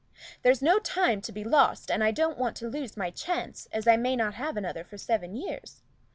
There's no time to be lost, and I don't want to lose my chance, as I may not have another for seven years.